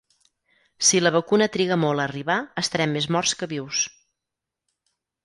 Si la vacuna triga molt a arribar, estarem més morts que vius.